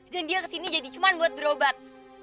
dan dia kesini jadi cuma buat berobat